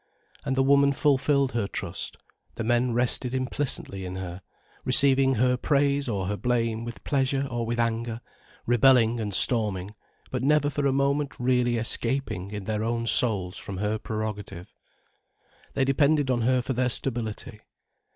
And the woman fulfilled her trust, the men rested implicitly in her, receiving her praise or her blame with pleasure or with anger, rebelling and storming, but never for a moment really escaping in their own souls from her prerogative. They depended on her for their stability.